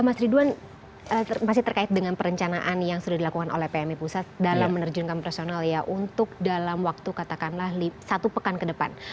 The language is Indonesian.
mas ridwan masih terkait dengan perencanaan yang sudah dilakukan oleh pmi pusat dalam menerjunkan personal ya untuk dalam waktu katakanlah satu pekan ke depan